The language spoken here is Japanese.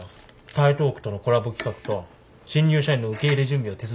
台東区とのコラボ企画と新入社員の受け入れ準備を手伝いますって。